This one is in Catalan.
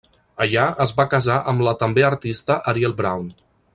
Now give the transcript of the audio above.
Allà es va casar amb la també artista Ariel Brown.